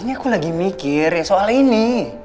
ini aku lagi mikir soal ini